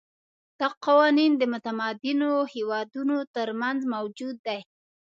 دا قوانین د متمدنو هېوادونو ترمنځ موجود دي.